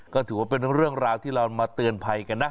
ก็ถือว่าเป็นเรื่องราวที่เรามาเตือนภัยกันนะ